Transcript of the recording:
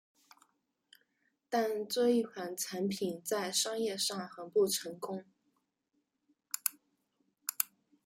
但这一款产品在商业上很不成功。